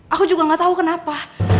aku juga gak tahu kenapa